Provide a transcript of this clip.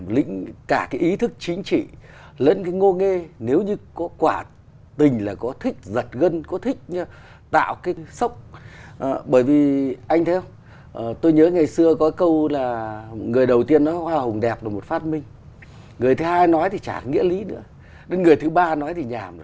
lý cà phê dung tích hàng nghìn lít rồi chiếc chiếu dài hàng chục mét